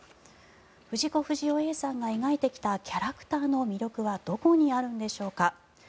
藤子不二雄Ａさんが描いてきたキャラクターの魅力はどこにあるのでしょうか。